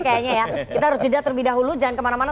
kita harus juda terlebih dahulu jangan kemana mana